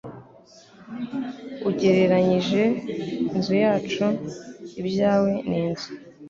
Ugereranije n'inzu yacu, ibyawe ni inzu.